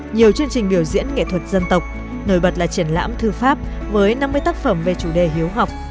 nhiều chương trình biểu diễn nghệ thuật dân tộc nổi bật là triển lãm thư pháp với năm mươi tác phẩm về chủ đề hiếu học